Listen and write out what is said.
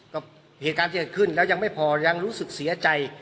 กับเหตุการณ์ที่เกิดขึ้นแล้วยังไม่พอยังรู้สึกเสียใจ